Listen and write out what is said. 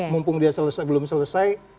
mumpung dia belum selesai